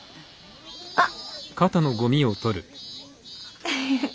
あっ。